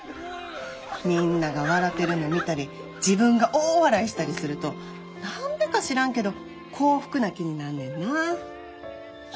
みんなが笑てるの見たり自分が大笑いしたりすると何でか知らんけど幸福な気になんねんな。